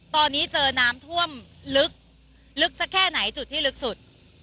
ตอนนี้เจอน้ำท่วมลึกลึกสักแค่ไหนจุดที่ลึกสุด